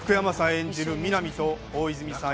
演じる皆実と大泉さん